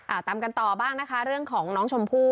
ตามกันต่อบ้างนะคะเรื่องของน้องชมพู่